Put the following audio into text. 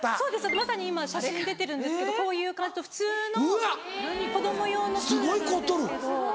まさに今写真出てるんですけどこういう感じの普通の子供用のプールなんですけど。